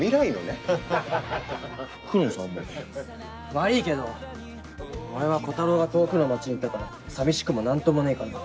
悪いけど俺はコタローが遠くの街に行ったからって寂しくもなんともねえからな。